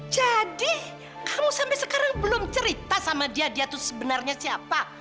jadi kamu sampai sekarang belum cerita sama dia dia itu sebenarnya siapa